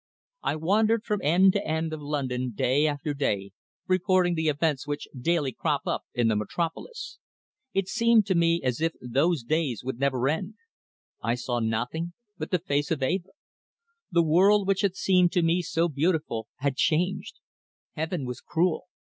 I wandered from end to end of London day after day, reporting the events which daily crop up in the Metropolis. It seemed to me as if those days would never end. I saw nothing but the face of Eva. The world which had seemed to me so beautiful had changed; Heaven was cruel.